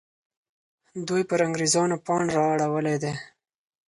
دوی پر انګریزانو پاڼ را اړولی دی.